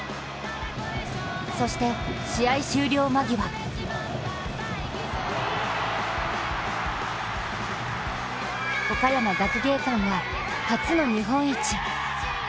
そして、試合終了間際岡山学芸館が初の日本一。